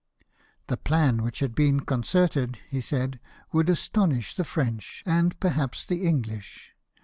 The plan which had been concerted, he said, would astonish the French, and perhaps the English.